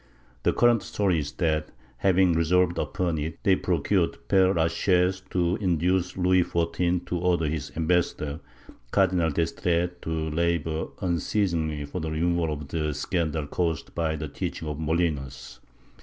The current story is that, having resolved upon it, they procured Pere La Chaise to induce Louis XIV to order his ambassador, Cardinal d'Estrees to labor vmceasingly for the removal of the scandal caused by the teaching of Molinos.